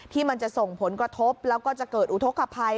ที่มันจะส่งผลกระทบแล้วก็จะเกิดอุทธกภัย